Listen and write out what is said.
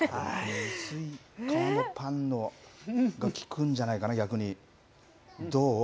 薄い皮のほうがいくんじゃないかな、逆に。